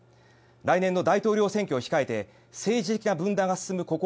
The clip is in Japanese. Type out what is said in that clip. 来年の大統領選挙を控えて政治的な分断が進むここ